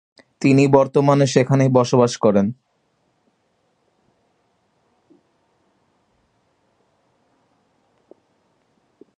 তিনি বর্তমানে সেখানেই বসবাস করেন।